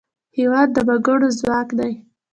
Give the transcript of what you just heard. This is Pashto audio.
هېواد د وګړو ځواک دی.